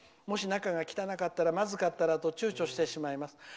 もし中が汚かったらまずかったらとちゅうちょしてしまいます。